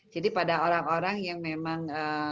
jadi pada orang orang yang memang